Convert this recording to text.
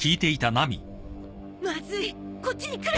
まずいこっちに来る！